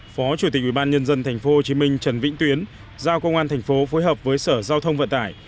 phó chủ tịch ủy ban nhân dân tp hcm trần vĩnh tuyến giao công an thành phố phối hợp với sở giao thông vận tải